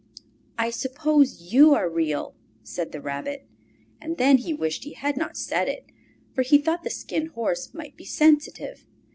"I suppose you are real?" said the Rabbit. And then he wished he had not said it, for he thought the Skin Horse might be sensitive.